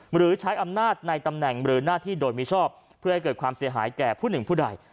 หรือใช้อำนาจในตำแหน่งหรือหน้าที่โดยมิชอบเพื่อให้เกิดความเสียหายแก่ผู้หนึ่งผู้ใด